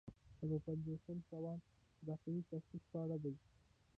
څلور پنځوسم سوال د داخلي تفتیش په اړه دی.